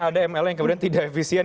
ada ml yang kemudian tidak efisien